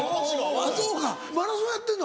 そうかマラソンやってんの？